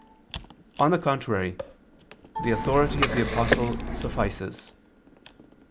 On the contrary, The authority of the Apostle suffices.